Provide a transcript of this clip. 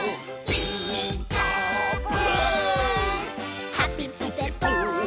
「ピーカーブ！」